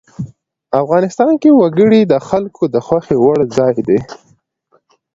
افغانستان کې وګړي د خلکو د خوښې وړ ځای دی.